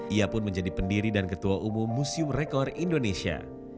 ia pun menjadi pendiri dan ketua umum museum rekor indonesia